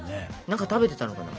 何か食べてたのかな？